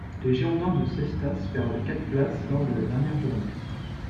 Les girondins de Cestas perdent quatre places lors de la dernière journée.